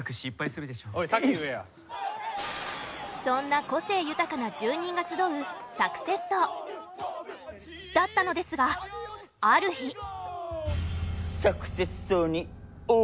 そんな個性豊かな住人が集うサクセス荘だったのですがある日。